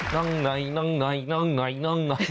นั่งไหน